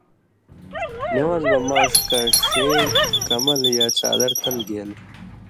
نِوان٘ز مہ ماݜ کہ ݜے کمل یا څادر تل گیل